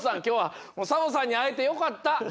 きょうはサボさんにあえてよかった！